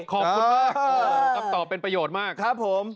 ขอบคุณมากคำตอบเป็นประโยชน์มากครับผม